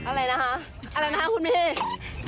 อะไรนะฮะอะไรนะฮะคุณเมธี